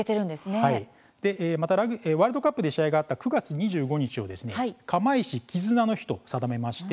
またワールドカップで試合があった９月２５日を釜石絆の日と定めまして